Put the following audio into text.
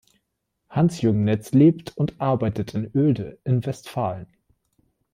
Hans-Jürgen Netz lebt und arbeitet in Oelde in Westfalen.